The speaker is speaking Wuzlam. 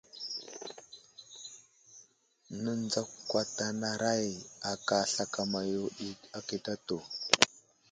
Nənzakwatanaray aka slakama yo ɗi akitatu.